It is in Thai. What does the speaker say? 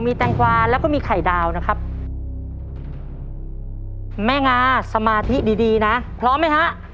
มีแตงกวาแล้วก็มีไข่ดาวนะครับแม่งาสมาธิดีดีนะพร้อมไหมฮะ